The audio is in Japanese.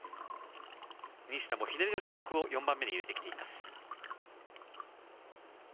西田もひねりの種目を４番目に入れてきています。